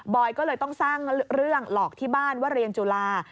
อยก็เลยต้องสร้างเรื่องหลอกที่บ้านว่าเรียนจุฬา